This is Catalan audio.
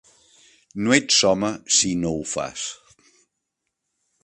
No ets home si no ho fas!